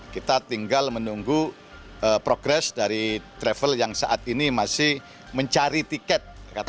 kita tinggal menunggu progres dari travel yang saat ini masih mencari tiket